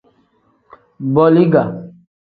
Boliga.